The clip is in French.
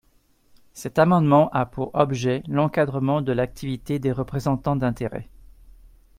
Cet amendement a pour objet l’encadrement de l’activité des représentants d’intérêts.